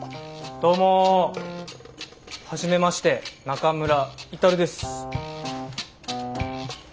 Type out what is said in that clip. どうもはじめまして中村達です。